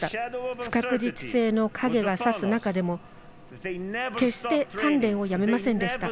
不確実性の影が差す中でも決して、鍛練をやめませんでした。